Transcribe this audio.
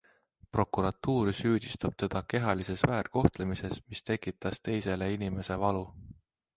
Prokuratuur süüdistab teda kehalises väärkohtlemises, mis tekitas teisele inimese valu.